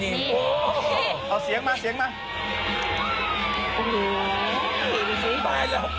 เอาเสียงมาเสียงมา